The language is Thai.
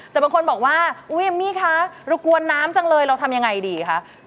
แต่บางคนบอกว่าอุ๊ยมมี่คะเรากวนน้ำจังเลยเราทำยังไงดีคะ